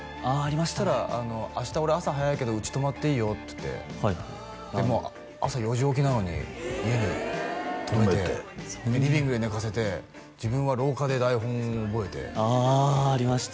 そしたらあの「明日俺朝早いけどうち泊まっていいよ」って朝４時起きなのに家に泊めてリビングで寝かせて自分は廊下で台本を覚えてああありました